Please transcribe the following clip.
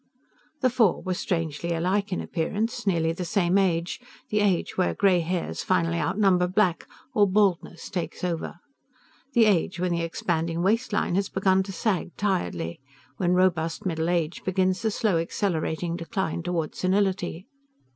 The four were strangely alike in appearance, nearly the same age, the age where gray hairs finally outnumber black, or baldness takes over. The age when the expanding waistline has begun to sag tiredly, when robust middle age begins the slow accelerating decline toward senility.